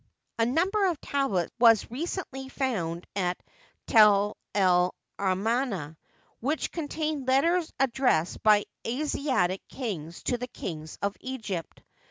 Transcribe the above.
A number of tablets was recently found at Tell el Amarna, which contain letters addressed by Asiatic kings to kings of Egypt.